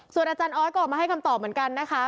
ส่วนอาจารย์ออสก็ออกมาให้คำตอบเหมือนกันนะคะ